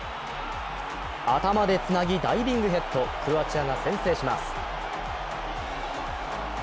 頭でつなぎ、ダイビングヘッド、クロアチアが先制します。